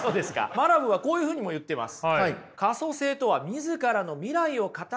マラブーはこういうふうにも言ってます。